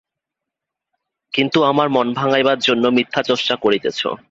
কিন্তু আমার মন ভাঙাইবার জন্য মিথ্যা চেষ্টা করিতেছ।